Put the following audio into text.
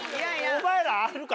お前らあるか？